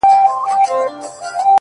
• پرښاخونو به مو پېغلي ټالېدلای ,